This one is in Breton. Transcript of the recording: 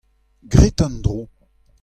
Grit an dro.